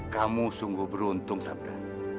kamu sungguh beruntung sabda